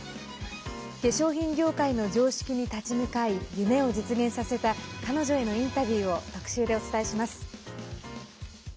化粧品業界の常識に立ち向かい夢を実現させた彼女へのインタビューを特集でお伝えします。